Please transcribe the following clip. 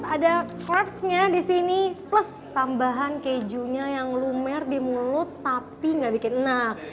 ada crepesnya disini plus tambahan kejunya yang lumer di mulut tapi gak bikin enak